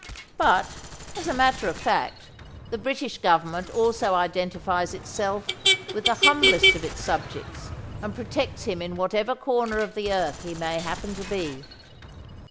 But, as a matter of fact, the British Government also identifies itself with the humblest of its subjects and protects him in whatever corner of the earth he may happen to be.